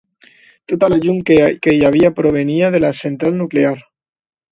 Tota la llum que hi havia provenia de la central nuclear.